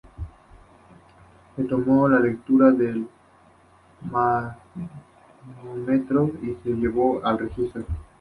Se tomó la lectura del manómetro y se llevó al registro.